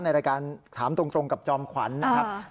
ในรายการถามตรงกับจอมขวัญนะครับ